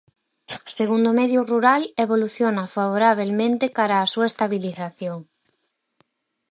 Segundo Medio Rural, evoluciona "favorabelmente" cara á súa estabilización.